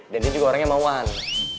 dan dia juga orang yang mauannya